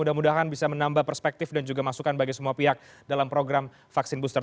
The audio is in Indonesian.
mudah mudahan bisa menambah perspektif dan juga masukan bagi semua pihak dalam program vaksin booster